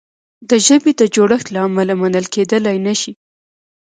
د ژبې د جوړښت له امله منل کیدلای نه شي.